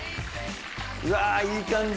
うわいい感じ！